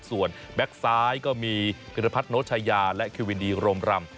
ส่วนแบ็คซ้ายก็มีพิรพัฒนชายาและคิวินดีโรมรำ